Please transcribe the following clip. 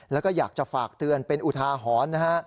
แล้วก็อยากจะฝากเตือนเป็นอุทาหรณ์นะฮะ